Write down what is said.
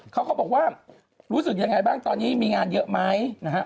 เขาก็บอกว่ารู้สึกยังไงบ้างตอนนี้มีงานเยอะไหมนะฮะ